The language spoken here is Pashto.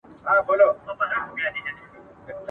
پرديان دلته ځواکونه لري.